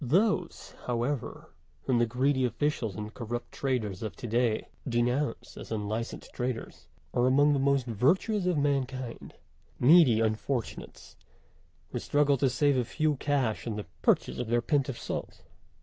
Those, however, whom the greedy officials and corrupt traders of to day denounce as unlicensed traders, are among the most virtuous of mankind needy unfortunates who struggle to save a few cash in the purchase of their pint of salt.